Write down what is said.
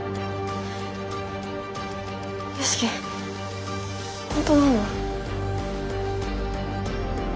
良樹本当なの？